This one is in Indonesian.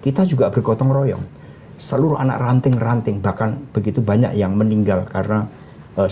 kita juga bergotong royong seluruh anak ranting ranting bahkan begitu banyak yang meninggal karena sakit